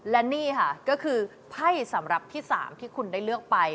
และนี่ค่ะก็คือไพ่สำหรับที่๓ที่คุณได้เลือกไป